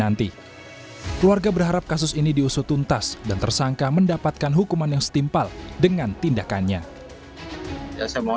saat ini jenazah dititipkan di rumah sakit umum daerah kelungkung sambil menunggu upacara kremasi atau ngaben yang akan diselenggarakan keluarga korban